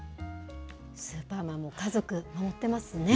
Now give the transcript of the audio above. スーパーマンも家族、守ってますね。